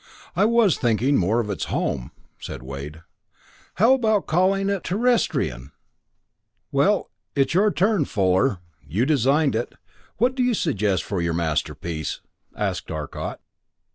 "I was thinking more of its home," said Wade. "How about calling it Terrestrian?" "Well it's your turn, Fuller you designed it. What do you suggest for your masterpiece?" asked Arcot.